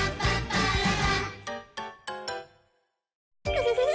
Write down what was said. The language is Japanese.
ウフフフ。